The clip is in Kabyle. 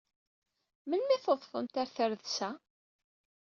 Melmi ay tudfemt ɣer tredsa?